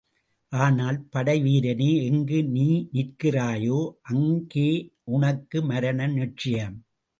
ஆனால் படைவீரனே எங்கு நீ நிற்கிறாயோ அங்கே உனக்கு மரணம் நிச்சயம்.